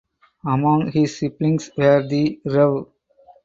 Among his siblings were the Rev.